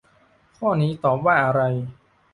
ข้อนี้ตอบว่าอะไร